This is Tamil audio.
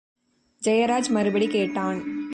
ஜெயராஜ் மறுபடி கேட்டான்.